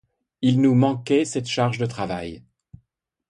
Il nous manquait cette charge de travail.